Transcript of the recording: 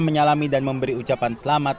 menyalami dan memberi ucapan selamat